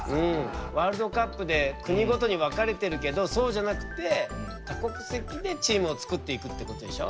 ワールドカップで国ごとに分かれてるけどそうじゃなくて多国籍でチームを作っていくってことでしょ。